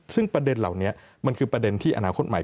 ซึ่งประเด็นเหล่านี้มันคือประเด็นที่อนาคตใหม่